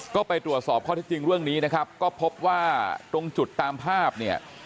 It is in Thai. ก็ไปตรวจสอบข้อที่จริงเรื่องนี้นะครับก็พบว่าตรงจุดตามภาพเนี่ย